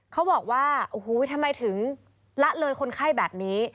เขาบอกว่าโอ้โหทำไมถึงละเลยคนไข้แบบนี้